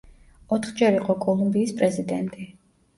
ოთხჯერ იყო კოლუმბიის პრეზიდენტი.